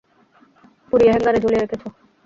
পুড়িয়ে হ্যাঙ্গারে ঝুলিয়ে রেখেছো।